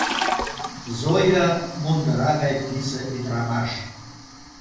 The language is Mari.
Зоя мундыра гай писе ӱдырамаш.